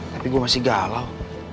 tapi gue masih galau